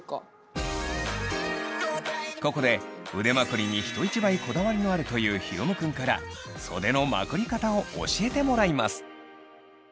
ここで腕まくりに人一倍こだわりのあるというヒロムくんから袖のまくり方を教えてもらいます。